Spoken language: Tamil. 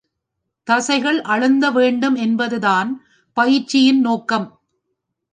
தசைகள் அழுந்த வேண்டும் என்பது தான் பயிற்சியின் நோக்கம்.